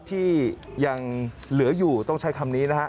ที่ยังเหลืออยู่ต้องใช้คำนี้นะฮะ